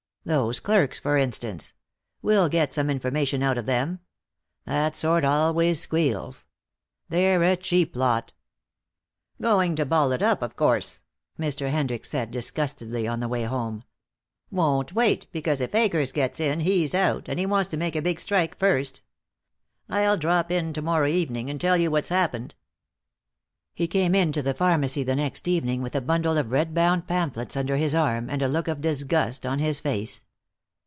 Those clerks, for instance we'll get some information out of them. That sort always squeals. They're a cheap lot." "Going to ball it up, of course," Mr. Hendricks said disgustedly, on the way home. "Won't wait, because if Akers gets in he's out, and he wants to make a big strike first. I'll drop in to morrow evening and tell you what's happened." He came into the pharmacy the next evening, with a bundle of red bound pamphlets under his arm, and a look of disgust on his face.